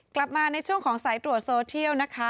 กลับมาในช่วงของสายตรวจโซเทียลนะคะ